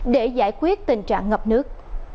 để giải quyết tình trạng ngập nước